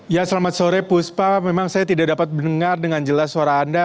ya selamat sore puspa memang saya tidak dapat mendengar dengan jelas suara anda